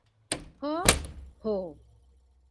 Ho, ho!